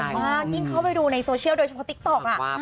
มากยิ่งเข้าไปดูในโซเชียลโดยเฉพาะติ๊กต๊อก